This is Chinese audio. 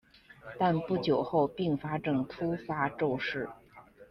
但不久后并发症突发骤逝。